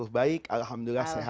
baik alhamdulillah sehat